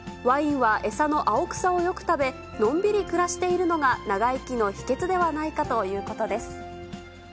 ワインは、餌の青草をよく食べ、のんびり暮らしているのが長生きの秘けつではないかということで